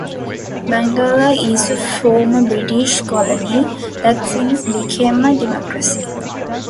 Bangalla is a former British colony that since became a democracy.